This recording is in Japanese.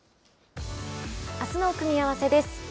あすの組み合わせです。